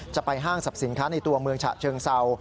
จะไปห้างศัพท์สินค้าในตัวเมืองฉะเชิงเซา